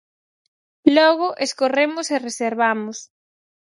Logo, escorremos e reservamos.